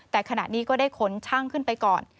แต่ขณะนี้ก็ได้ขนช่างขึ้นไปก่อน